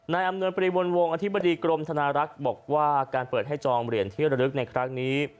อำนวยปรีวนวงอธิบดีกรมธนารักษ์บอกว่าการเปิดให้จองเหรียญที่ระลึกในครั้งนี้